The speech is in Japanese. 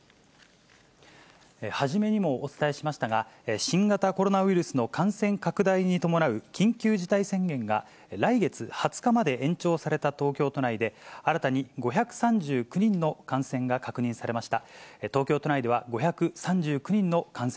初めにもお伝えしましたが、新型コロナウイルスの感染拡大に伴う緊急事態宣言が来月２０日まで延長された東京都内で、新たに５３９人の感染が確認されました。